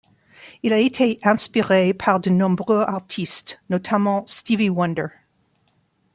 Il a été inspiré par de nombreux artistes, notamment Stevie Wonder.